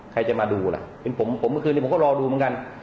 ใครจะมาดูล่ะเป็นผมผมเมื่อคืนนี้ผมก็รอดูเหมือนกัน